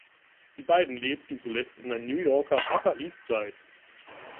Die beiden lebten zuletzt in der New Yorker Upper East Side.